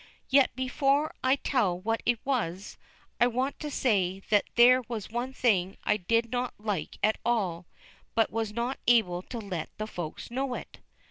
Yet before I tell what it was, I want to say that there was one thing I did not like at all, but was not able to let the Folks know it.